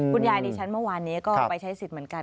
ดิฉันเมื่อวานนี้ก็ไปใช้สิทธิ์เหมือนกัน